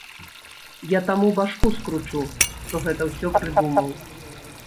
Я таму башку скручу, хто гэта ўсё прыдумаў.